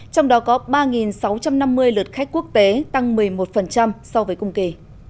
trong đó có ba sáu trăm năm mươi lượt khách quốc tế tăng một mươi một so với cùng kỳ